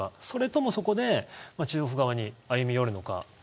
それとも中国側に歩み寄るのか。